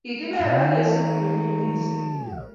Kikibel akesub bunyik mising.